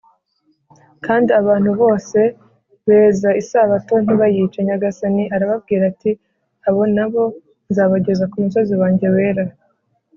kandi abantu bose “beza isabato ntibayice” nyagasani arababwira ati, “abo na bo nzabageza ku musozi wanjye wera,